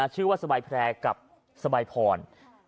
ชื่อว่าสบายแพร่กับสบายพร